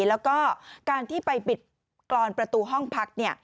แล้วก็การที่ไปปิดกรอนประตูห้องพัก